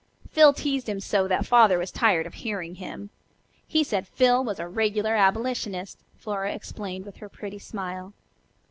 "Phil teased him so that Father was tired of hearing him. He said Phil was a regular abolitionist," Flora explained with her pretty smile.